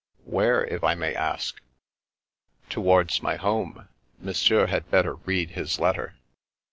"Where, if I may ask?" " Towards my home. Monsieur had better read his letter."